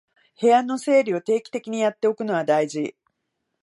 部屋の整理を定期的にやっておくのは大事